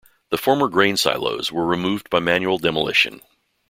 The former grain silos were removed by manual demolition.